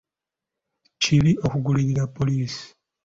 Kibi okugulirira poliisi?